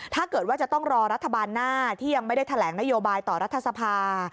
ถ้าเกิดว่าจะต้องรอรัฐบาลหน้าที่ยังไม่ได้แถลงนโยบายต่อรัฐสภา